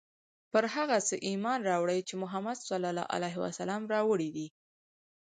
پر هغه څه ایمان راوړی چې محمد ص راوړي دي.